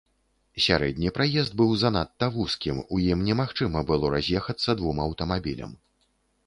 Сярэдні праезд быў занадта вузкім, у ім немагчыма было раз'ехацца двум аўтамабілям.